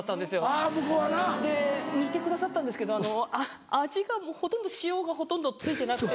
あぁ向こうはな。煮てくださったんですけど味がほとんど塩がほとんどついてなくて。